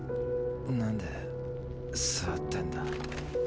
何で座ってんだ。